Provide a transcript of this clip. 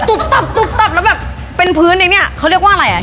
ตับตุ๊บตับแล้วแบบเป็นพื้นในเนี้ยเขาเรียกว่าอะไรอ่ะ